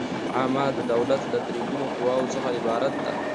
عامه د دولت له درې ګونو قواوو څخه عبارت ده.